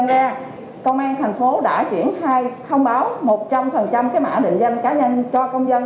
ngoài ra công an thành phố đã triển khai thông báo một trăm linh cái mã định danh cá nhân cho công dân